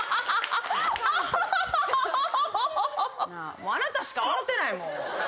もうあなたしか笑うてない。